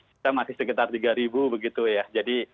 kita masih sekitar tiga begitu ya